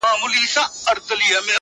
هغه اوس گل ماسوم په غېږه كي وړي _